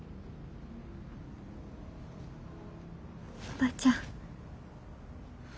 おばちゃん。